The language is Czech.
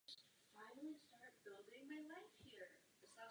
Na jaře dalšího roku letěl podruhé.